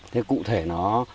thế cụ thể nó